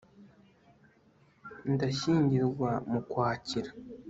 ndashyingirwa mu kwakira